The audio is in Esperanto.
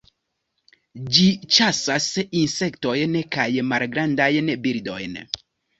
Ĝi ĉasas insektojn kaj malgrandajn birdojn.